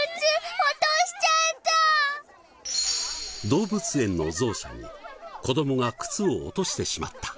動物園のゾウ舎に子どもが靴を落としてしまった。